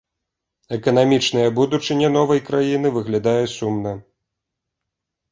Эканамічная будучыня новай краіны выглядала сумна.